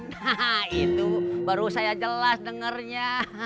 nah itu baru saya jelas dengernya